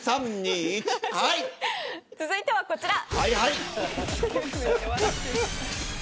続いては、こちら。